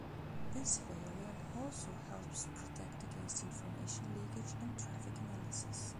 This variant also helps protect against information leakage and traffic analysis.